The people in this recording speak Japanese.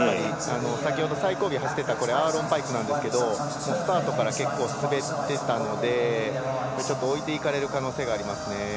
先ほど、最後尾を走っていたアーロン・パイクなんですけどスタートから滑っていたので置いていかれる可能性がありますね。